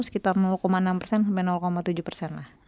sekitar enam sampai tujuh lah